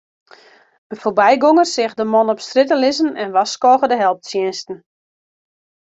In foarbygonger seach de man op strjitte lizzen en warskôge de helptsjinsten.